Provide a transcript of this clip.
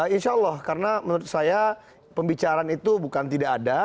insya allah karena menurut saya pembicaraan itu bukan tidak ada